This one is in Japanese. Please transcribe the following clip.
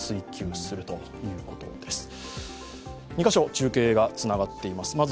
２カ所中継がつながっています。